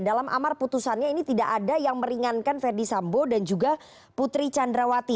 dalam amar putusannya ini tidak ada yang meringankan verdi sambo dan juga putri candrawati